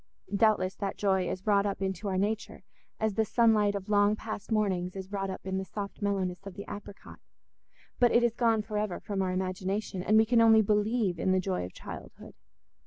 Doubtless that joy is wrought up into our nature, as the sunlight of long past mornings is wrought up in the soft mellowness of the apricot, but it is gone for ever from our imagination, and we can only believe in the joy of childhood.